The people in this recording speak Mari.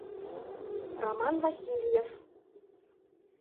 Роман Васильев.